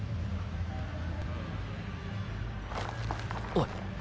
おい。